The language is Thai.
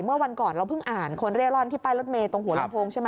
เมื่อวันก่อนเราเพิ่งอ่านคนเร่ร่อนที่ป้ายรถเมย์ตรงหัวลำโพงใช่ไหม